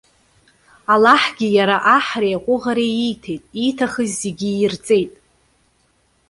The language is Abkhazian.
Аллаҳгьы иара аҳреи аҟәыӷареи ииҭеит, ииҭахыз зегьы иирҵеит.